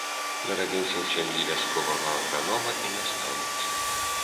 Нарадзіўся ў сям'і вясковага агранома і настаўніцы.